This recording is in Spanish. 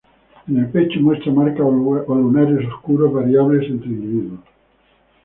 En el pecho muestra marcas o lunares oscuros variables entre individuos.